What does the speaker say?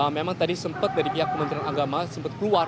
memang tadi sempat dari pihak kementerian agama sempat keluar